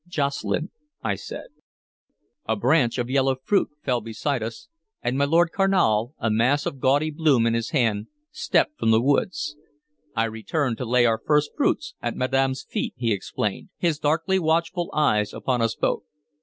"Jocelyn," I said. A branch of yellow fruit fell beside us, and my Lord Carnal, a mass of gaudy bloom in his hand, stepped from the wood. "I returned to lay our first fruits at madam's feet," he explained, his darkly watchful eyes upon us both.